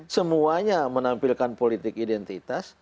semuanya menampilkan politik identitas